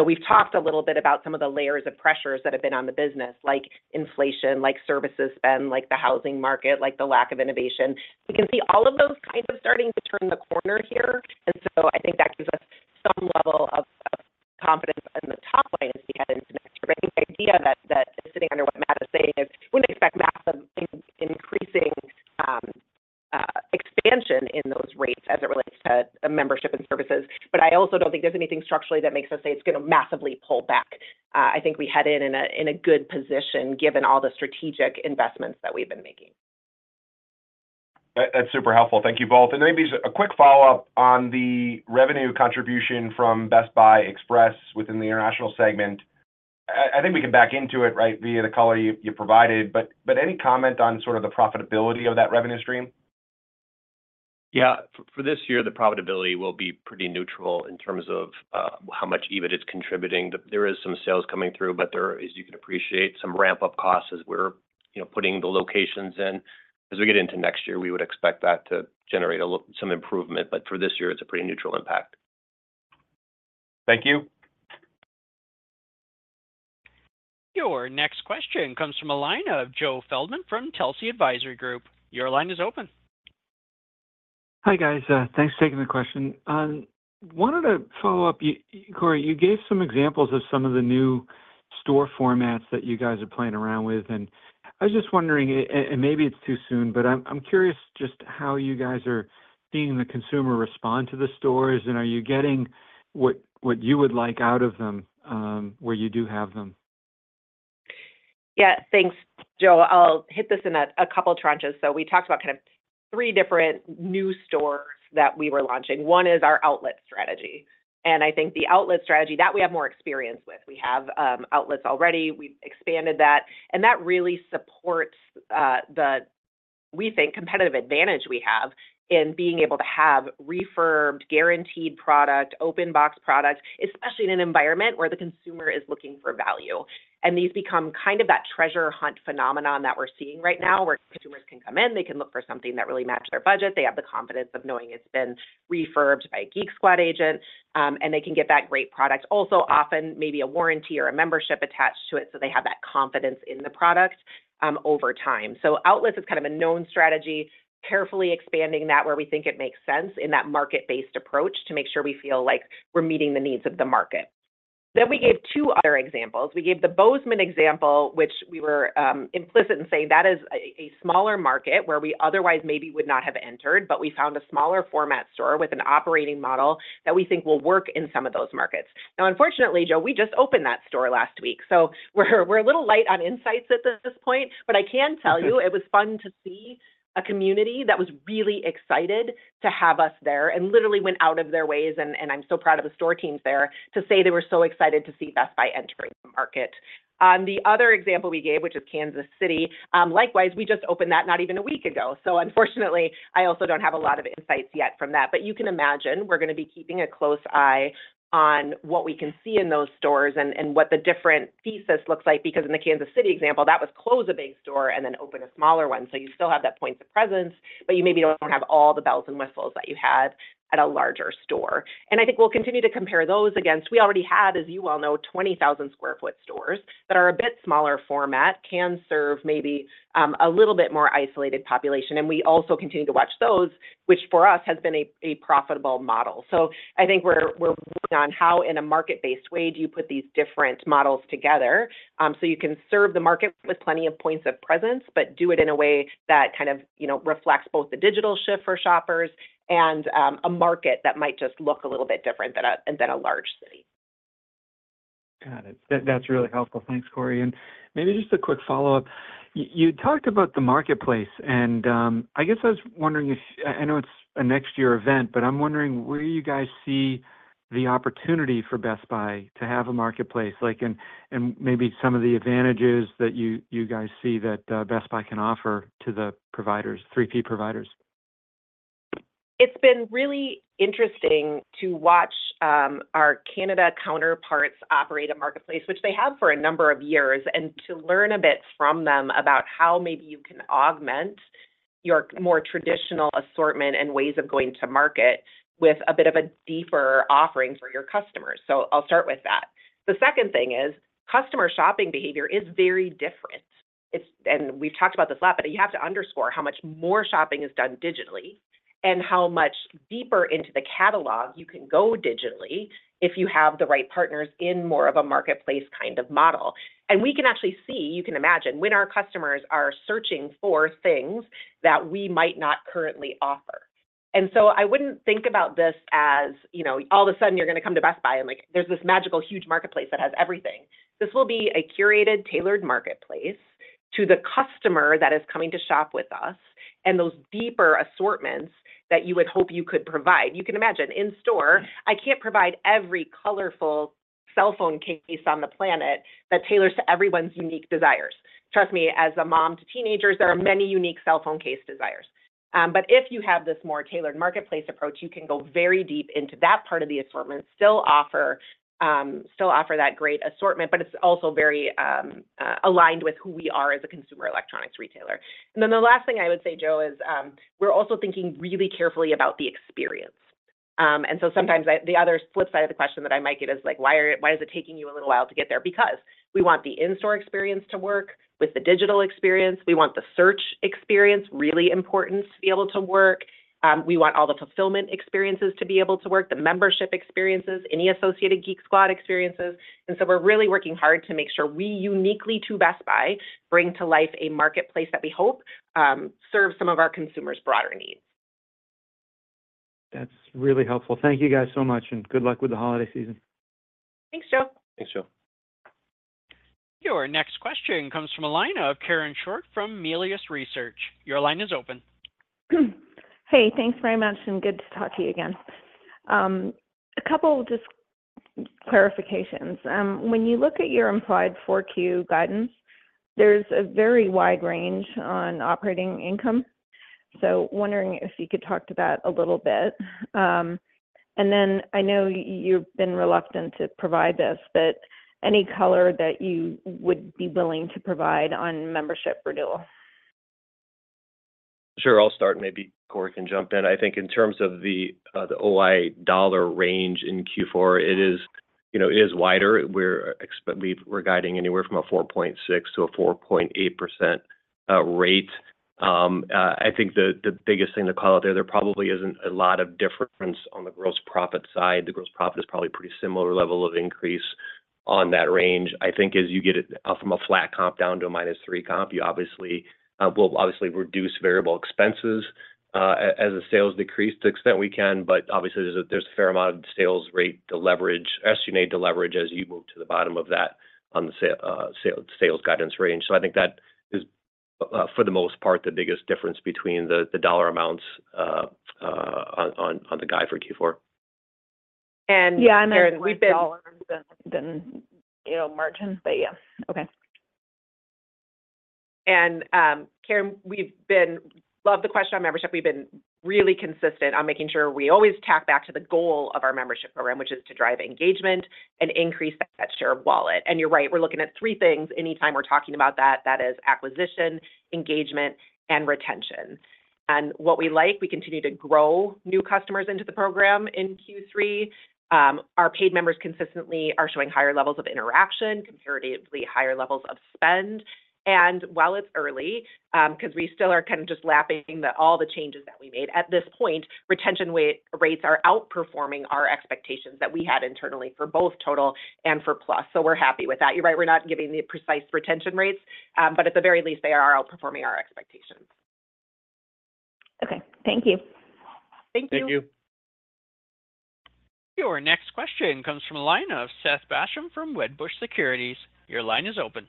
We've talked a little bit about some of the layers of pressures that have been on the business, like inflation, like services spend, like the housing market, like the lack of innovation. We can see all of those kind of starting to turn the corner here. And so I think that gives us some level of confidence in the top lines we head into next year. But I think the idea that is sitting under what Matt is saying is we wouldn't expect massive increasing expansion in those rates as it relates to membership and services. But I also don't think there's anything structurally that makes us say it's going to massively pull back. I think we head in a good position given all the strategic investments that we've been making. That's super helpful. Thank you both. And maybe a quick follow-up on the revenue contribution from Best Buy Express within the international segment. I think we can back into it, right, via the color you provided. But any comment on sort of the profitability of that revenue stream? Yeah. For this year, the profitability will be pretty neutral in terms of how much EBIT is contributing. There is some sales coming through, but there is, you can appreciate, some ramp-up costs as we're putting the locations in. As we get into next year, we would expect that to generate some improvement. But for this year, it's a pretty neutral impact. Thank you. Your next question comes from a line of Joe Feldman from Telsey Advisory Group. Your line is open. Hi, guys. Thanks for taking the question. I wanted to follow up. Corie, you gave some examples of some of the new store formats that you guys are playing around with. And I was just wondering, and maybe it's too soon, but I'm curious just how you guys are seeing the consumer respond to the stores, and are you getting what you would like out of them where you do have them? Yeah. Thanks, Joe. I'll hit this in a couple of tranches. So we talked about kind of three different new stores that we were launching. One is our outlet strategy. And I think the outlet strategy, that we have more experience with. We have outlets already. We've expanded that. That really supports the, we think, competitive advantage we have in being able to have refurbed, guaranteed product, open-box products, especially in an environment where the consumer is looking for value. These become kind of that treasure hunt phenomenon that we're seeing right now, where consumers can come in, they can look for something that really matches their budget. They have the confidence of knowing it's been refurbed by a Geek Squad agent, and they can get that great product. Also, often, maybe a warranty or a membership attached to it, so they have that confidence in the product over time. Outlets is kind of a known strategy, carefully expanding that where we think it makes sense in that market-based approach to make sure we feel like we're meeting the needs of the market. We gave two other examples. We gave the Bozeman example, which we were implicit in saying that is a smaller market where we otherwise maybe would not have entered, but we found a smaller format store with an operating model that we think will work in some of those markets. Now, unfortunately, Joe, we just opened that store last week. So we're a little light on insights at this point, but I can tell you it was fun to see a community that was really excited to have us there and literally went out of their ways, and I'm so proud of the store teams there, to say they were so excited to see Best Buy entering the market. The other example we gave, which is Kansas City, likewise, we just opened that not even a week ago. So unfortunately, I also don't have a lot of insights yet from that. But you can imagine we're going to be keeping a close eye on what we can see in those stores and what the different thesis looks like. Because in the Kansas City example, that was closing a big store and then opening a smaller one. So you still have that points of presence, but you maybe don't have all the bells and whistles that you had at a larger store. And I think we'll continue to compare those against. We already have, as you well know, 20,000 sq ft stores that are a bit smaller format, can serve maybe a little bit more isolated population. And we also continue to watch those, which for us has been a profitable model. So, I think we're working on how, in a market-based way, do you put these different models together so you can serve the market with plenty of points of presence, but do it in a way that kind of reflects both the digital shift for shoppers and a market that might just look a little bit different than a large city. Got it. That's really helpful. Thanks, Corie. And maybe just a quick follow-up. You talked about the marketplace, and I guess I was wondering if I know it's a next-year event, but I'm wondering where you guys see the opportunity for Best Buy to have a marketplace, and maybe some of the advantages that you guys see that Best Buy can offer to the providers, 3P providers. It's been really interesting to watch our Canada counterparts operate a marketplace, which they have for a number of years, and to learn a bit from them about how maybe you can augment your more traditional assortment and ways of going to market with a bit of a deeper offering for your customers. So I'll start with that. The second thing is customer shopping behavior is very different. And we've talked about this a lot, but you have to underscore how much more shopping is done digitally and how much deeper into the catalog you can go digitally if you have the right partners in more of a marketplace kind of model. And we can actually see, you can imagine, when our customers are searching for things that we might not currently offer. And so I wouldn't think about this as all of a sudden you're going to come to Best Buy and there's this magical huge marketplace that has everything. This will be a curated, tailored marketplace to the customer that is coming to shop with us and those deeper assortments that you would hope you could provide. You can imagine in store, I can't provide every colorful cell phone case on the planet that tailors to everyone's unique desires. Trust me, as a mom to teenagers, there are many unique cell phone case desires. But if you have this more tailored marketplace approach, you can go very deep into that part of the assortment, still offer that great assortment, but it's also very aligned with who we are as a consumer electronics retailer. And then the last thing I would say, Joe, is we're also thinking really carefully about the experience. And so sometimes the other flip side of the question that I might get is like, "Why is it taking you a little while to get there?" Because we want the in-store experience to work with the digital experience. We want the search experience really important to be able to work. We want all the fulfillment experiences to be able to work, the membership experiences, any associated Geek Squad experiences. And so we're really working hard to make sure we uniquely to Best Buy bring to life a marketplace that we hope serves some of our consumers' broader needs. That's really helpful. Thank you guys so much, and good luck with the holiday season. Thanks, Joe. Thanks, Joe. Your next question comes from a line of Karen Short from Melius Research. Your line is open. Hey, thanks very much, and good to talk to you again. A couple of just clarifications. When you look at your implied 4Q guidance, there's a very wide range on operating income. So wondering if you could talk to that a little bit. And then I know you've been reluctant to provide this, but any color that you would be willing to provide on membership renewal? Sure. I'll start, and maybe Corie can jump in. I think in terms of the OI dollar range in Q4, it is wider. We're guiding anywhere from a 4.6%-4.8% rate. I think the biggest thing to call out there, there probably isn't a lot of difference on the gross profit side. The gross profit is probably a pretty similar level of increase on that range. I think as you get from a flat comp down to a minus three comp, you obviously will reduce variable expenses as the sales decrease to the extent we can. But obviously, there's a fair amount of SG&A rate to leverage, SG&A to leverage as you move to the bottom of that on the sales guidance range. So I think that is, for the most part, the biggest difference between the dollar amounts on the guide for Q4. And on margin, but yeah. Okay. And Karen, we love the question on membership. We've been really consistent on making sure we always tap back to the goal of our membership program, which is to drive engagement and increase that share of wallet. And you're right. We're looking at three things anytime we're talking about that. That is acquisition, engagement, and retention. And what we like, we continue to grow new customers into the program in Q3. Our paid members consistently are showing higher levels of interaction, comparatively higher levels of spend. And while it's early, because we still are kind of just lapping all the changes that we made, at this point, retention rates are outperforming our expectations that we had internally for both total and for plus. So we're happy with that. You're right. We're not giving the precise retention rates, but at the very least, they are outperforming our expectations. Okay. Thank you. Thank you. Thank you. Your next question comes from a line of Seth Basham from Wedbush Securities. Your line is open.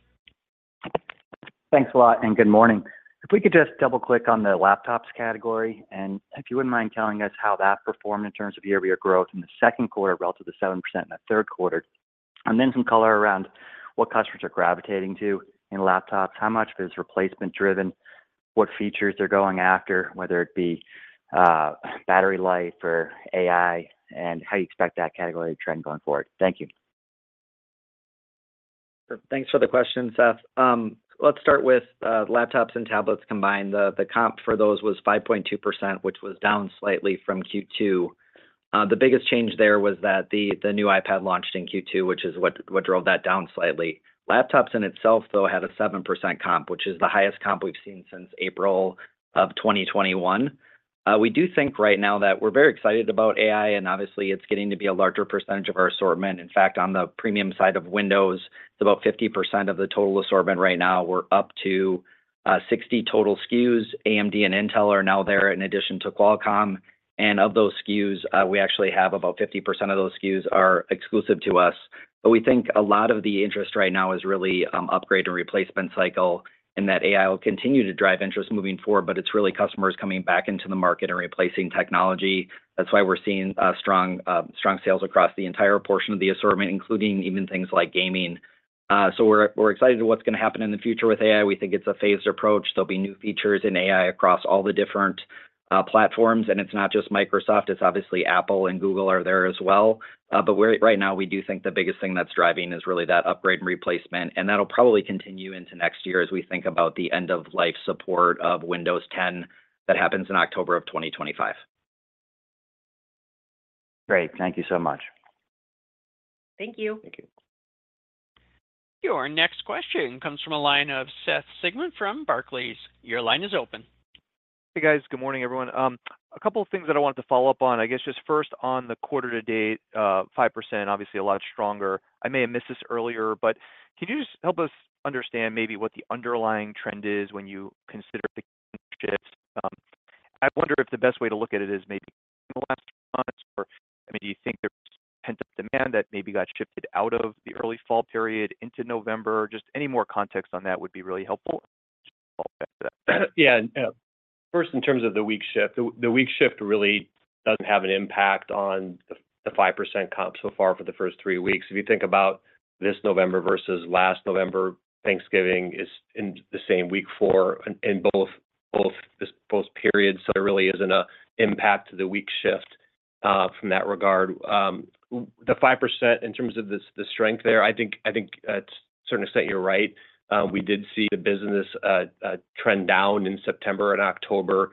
Thanks a lot, and good morning. If we could just double-click on the laptops category, and if you wouldn't mind telling us how that performed in terms of year-over-year growth in the second quarter relative to 7% in the third quarter, and then some color around what customers are gravitating to in laptops, how much of it is replacement-driven, what features they're going after, whether it be battery life or AI, and how you expect that category to trend going forward? Thank you. Thanks for the question, Seth. Let's start with laptops and tablets combined. The comp for those was 5.2%, which was down slightly from Q2. The biggest change there was that the new iPad launched in Q2, which is what drove that down slightly. Laptops in itself, though, had a 7% comp, which is the highest comp we've seen since April of 2021. We do think right now that we're very excited about AI, and obviously, it's getting to be a larger percentage of our assortment. In fact, on the premium side of Windows, it's about 50% of the total assortment right now. We're up to 60 total SKUs. AMD and Intel are now there in addition to Qualcomm. And of those SKUs, we actually have about 50% of those SKUs are exclusive to us. But we think a lot of the interest right now is really upgrade and replacement cycle, and that AI will continue to drive interest moving forward, but it's really customers coming back into the market and replacing technology. That's why we're seeing strong sales across the entire portion of the assortment, including even things like gaming. So we're excited about what's going to happen in the future with AI. We think it's a phased approach. There'll be new features in AI across all the different platforms, and it's not just Microsoft. It's obviously Apple and Google are there as well, but right now, we do think the biggest thing that's driving is really that upgrade and replacement, and that'll probably continue into next year as we think about the end-of-life support of Windows 10 that happens in October of 2025. Great. Thank you so much. Thank you. Thank you. Your next question comes from a line of Seth Sigman from Barclays. Your line is open. Hey, guys. Good morning, everyone. A couple of things that I wanted to follow up on, I guess just first on the quarter-to-date, 5%, obviously a lot stronger. I may have missed this earlier, but can you just help us understand maybe what the underlying trend is when you consider the shifts? I wonder if the best way to look at it is maybe in the last few months, or I mean, do you think there was pent-up demand that maybe got shifted out of the early fall period into November? Just any more context on that would be really helpful. Yeah. First, in terms of the week shift, the week shift really doesn't have an impact on the 5% comp so far for the first three weeks. If you think about this November versus last November, Thanksgiving is in the same week for both periods, so there really isn't an impact to the week shift from that regard. The 5%, in terms of the strength there, I think to a certain extent you're right. We did see the business trend down in September and October.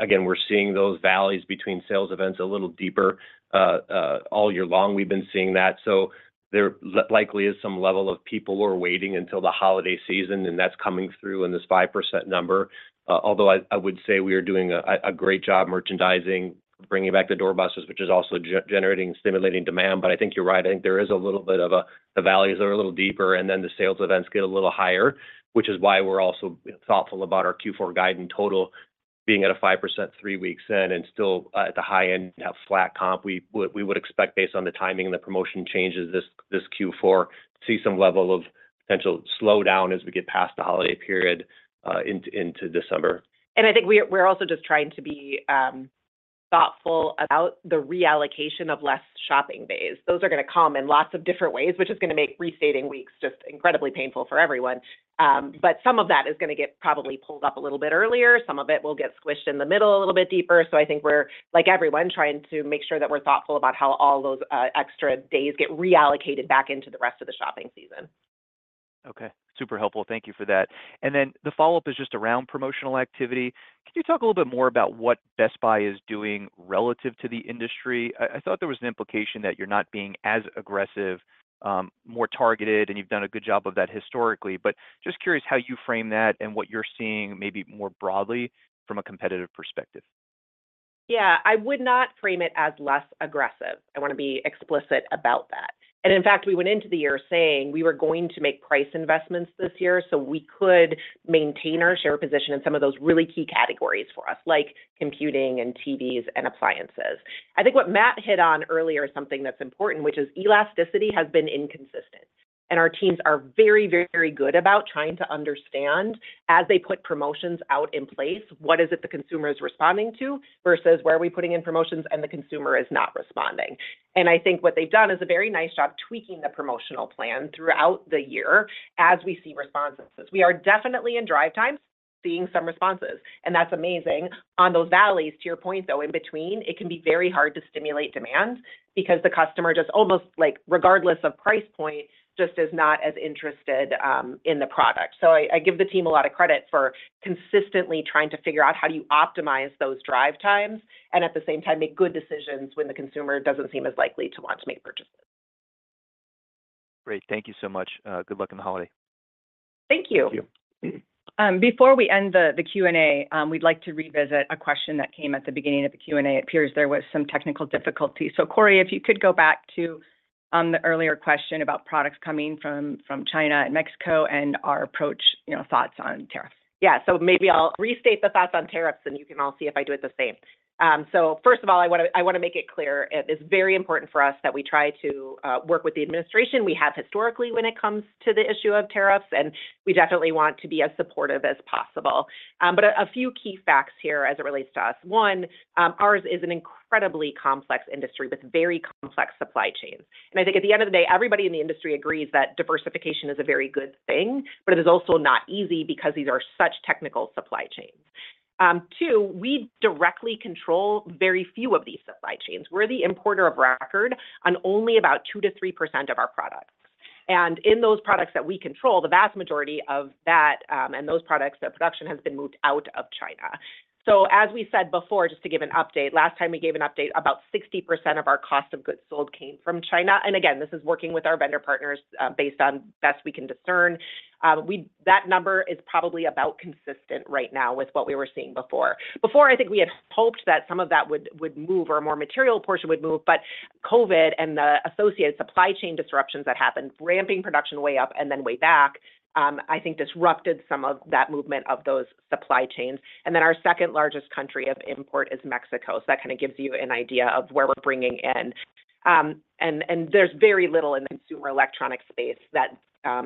Again, we're seeing those valleys between sales events a little deeper. All year long, we've been seeing that, so there likely is some level of people who are waiting until the holiday season, and that's coming through in this 5% number. Although I would say we are doing a great job merchandising, bringing back the doorbusters, which is also generating stimulating demand, but I think you're right. I think there is a little bit of the valleys are a little deeper, and then the sales events get a little higher, which is why we're also thoughtful about our Q4 guidance total being at a 5% three weeks in and still at the high end of flat comp. We would expect, based on the timing and the promotion changes this Q4, to see some level of potential slowdown as we get past the holiday period into December. And I think we're also just trying to be thoughtful about the reallocation of less shopping days. Those are going to come in lots of different ways, which is going to make restaging weeks just incredibly painful for everyone. But some of that is going to get probably pulled up a little bit earlier. Some of it will get squished in the middle a little bit deeper. So I think we're, like everyone, trying to make sure that we're thoughtful about how all those extra days get reallocated back into the rest of the shopping season. Okay. Super helpful. Thank you for that. And then the follow-up is just around promotional activity. Can you talk a little bit more about what Best Buy is doing relative to the industry? I thought there was an implication that you're not being as aggressive, more targeted, and you've done a good job of that historically. But just curious how you frame that and what you're seeing maybe more broadly from a competitive perspective. Yeah. I would not frame it as less aggressive. I want to be explicit about that. In fact, we went into the year saying we were going to make price investments this year so we could maintain our share position in some of those really key categories for us, like computing and TVs and appliances. I think what Matt hit on earlier is something that's important, which is elasticity has been inconsistent. Our teams are very, very good about trying to understand, as they put promotions out in place, what is it the consumer is responding to versus where are we putting in promotions and the consumer is not responding. I think what they've done is a very nice job tweaking the promotional plan throughout the year as we see responses. We are definitely in drive times seeing some responses. That's amazing. On those valleys, to your point, though, in between, it can be very hard to stimulate demand because the customer just almost, regardless of price point, just is not as interested in the product. So I give the team a lot of credit for consistently trying to figure out how do you optimize those drive times and at the same time make good decisions when the consumer doesn't seem as likely to want to make purchases. Great. Thank you so much. Good luck in the holiday. Thank you. Thank you. Before we end the Q&A, we'd like to revisit a question that came at the beginning of the Q&A. It appears there was some technical difficulty. So Corie, if you could go back to the earlier question about products coming from China and Mexico and our approach, thoughts on tariffs. Yeah. So maybe I'll restate the thoughts on tariffs, and you can all see if I do it the same. So first of all, I want to make it clear. It is very important for us that we try to work with the administration we have historically when it comes to the issue of tariffs, and we definitely want to be as supportive as possible. But a few key facts here as it relates to us. One, ours is an incredibly complex industry with very complex supply chains. And I think at the end of the day, everybody in the industry agrees that diversification is a very good thing, but it is also not easy because these are such technical supply chains. Two, we directly control very few of these supply chains. We're the importer of record on only about 2%-3% of our products. And in those products that we control, the vast majority of that and those products, their production has been moved out of China. So as we said before, just to give an update, last time we gave an update, about 60% of our cost of goods sold came from China. And again, this is working with our vendor partners based on the best we can discern. That number is probably about consistent right now with what we were seeing before. Before, I think we had hoped that some of that would move, or a more material portion would move, but COVID and the associated supply chain disruptions that happened, ramping production way up and then way back, I think disrupted some of that movement of those supply chains. And then our second largest country of import is Mexico. So that kind of gives you an idea of where we're bringing in. And there's very little in the consumer electronics space that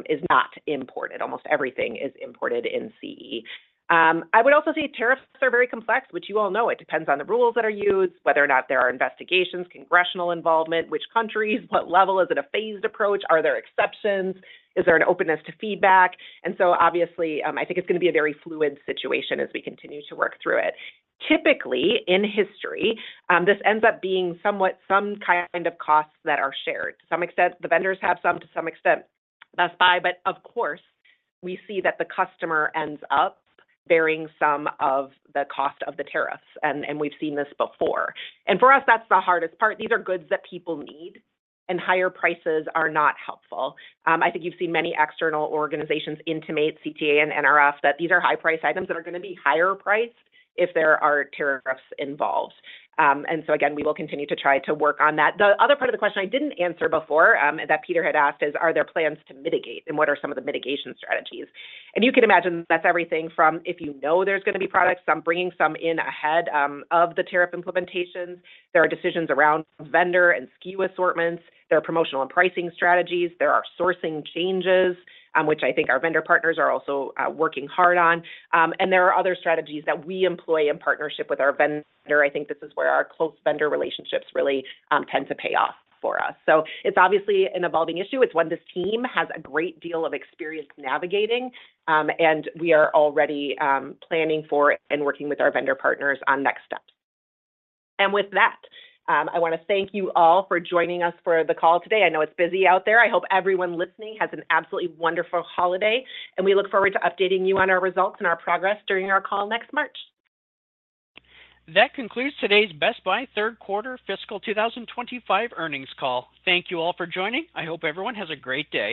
is not imported. Almost everything is imported in CE. I would also say tariffs are very complex, which you all know. It depends on the rules that are used, whether or not there are investigations, congressional involvement, which countries, what level, is it a phased approach, are there exceptions, is there an openness to feedback. Obviously, I think it's going to be a very fluid situation as we continue to work through it. Typically, in history, this ends up being somewhat some kind of costs that are shared. To some extent, the vendors have some; to some extent, Best Buy. But of course, we see that the customer ends up bearing some of the cost of the tariffs, and we've seen this before. For us, that's the hardest part. These are goods that people need, and higher prices are not helpful. I think you've seen many external organizations including CTA and NRF that these are high-priced items that are going to be higher priced if there are tariffs involved. Again, we will continue to try to work on that. The other part of the question I didn't answer before that Peter had asked is, are there plans to mitigate, and what are some of the mitigation strategies? You can imagine that's everything from if you know there's going to be products, I'm bringing some in ahead of the tariff implementations. There are decisions around vendor and SKU assortments. There are promotional and pricing strategies. There are sourcing changes, which I think our vendor partners are also working hard on. There are other strategies that we employ in partnership with our vendor. I think this is where our close vendor relationships really tend to pay off for us. It's obviously an evolving issue. It's one this team has a great deal of experience navigating, and we are already planning for and working with our vendor partners on next steps. With that, I want to thank you all for joining us for the call today. I know it's busy out there. I hope everyone listening has an absolutely wonderful holiday, and we look forward to updating you on our results and our progress during our call next March. That concludes today's Best Buy third quarter fiscal 2025 earnings call. Thank you all for joining. I hope everyone has a great day.